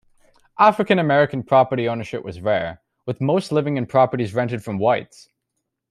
African American property ownership was rare, with most living in properties rented from whites.